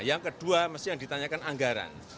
yang kedua mesti yang ditanyakan anggaran